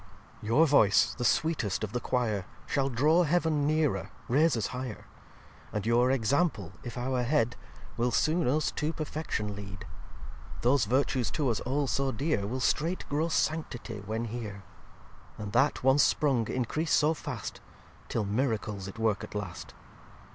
xxi "Your voice, the sweetest of the Quire, Shall draw Heav'n nearer, raise us higher. And your Example, if our Head, Will soon us to perfection lead. Those Virtues to us all so dear, Will straight grow Sanctity when here: And that, once sprung, increase so fast Till Miracles it work at last.